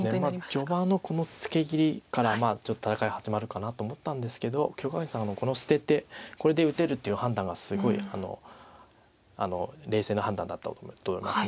序盤のこのツケ切りからちょっと戦い始まるかなと思ったんですけど許家元さん捨ててこれで打てるっていう判断がすごい冷静な判断だったと思います。